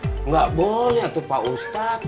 tidak boleh pak ustadz